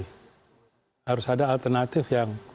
harus ada alternatif yang